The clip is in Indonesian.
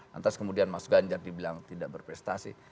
lantas kemudian mas ganjar dibilang tidak berprestasi